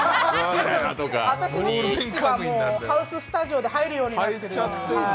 私のスイッチがハウススタジオで入るようになってて。